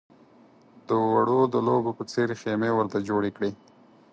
د وړو د لوبو په څېر خېمې ورته جوړې کړې.